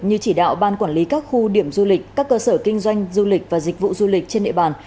như chỉ đạo ban quản lý các khu điểm du lịch các cơ sở kinh doanh du lịch và dịch vụ du lịch trên địa bàn